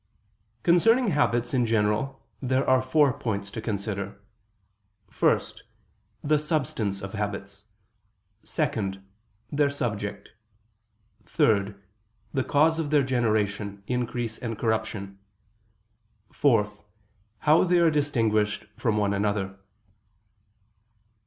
Concerning habits in general there are four points to consider: First, the substance of habits; second, their subject; third, the cause of their generation, increase, and corruption; fourth, how they are distinguished from one another.